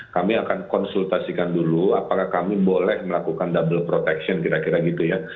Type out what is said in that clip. kami akan konsultasikan dulu apakah kami boleh melakukan double protection kira kira gitu ya